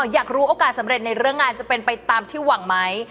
อยากรู้โอกาสสำเร็จในเรื่องงานจะเป็นไปตามที่หวังไหม